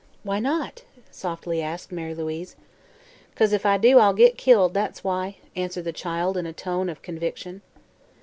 "Why not?" softly asked Mary Louise. "'Cause if I do I'll git killed, that's why," answered the child, in a tone of conviction.